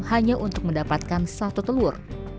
hanya untuk mendapatkan satu telur